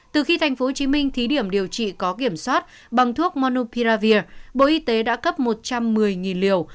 từ khi tp hcm thí điểm điều trị có kiểm soát bằng thuốc manupiravir bộ y tế đã cấp một trăm một mươi liều